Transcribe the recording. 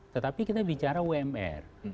tetapi kita bicara umr